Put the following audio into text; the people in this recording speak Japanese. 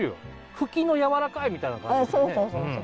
フキのやわらかいみたいな感じですよね。